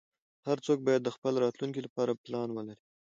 هر څوک باید خپل راتلونکې لپاره پلان ولری